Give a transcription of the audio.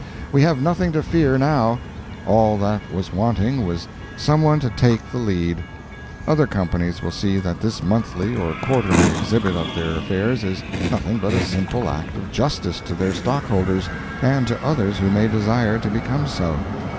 We have nothing to fear now; all that was wanting was someone to take the lead. Other Companies will see that this monthly or quarterly exhibit of their affairs is nothing but a simple act of justice to their stockholders and to others who may desire to become so.